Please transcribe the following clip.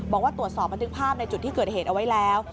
บอกว่าตรวจสอบบันทึกภาพในจุดที่เกิดเหตุเอาไว้แล้ว